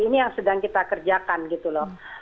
ini yang sedang kita kerjakan gitu loh